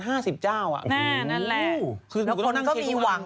ถูกทุกคนก็จะเข้าใจแบบนั้น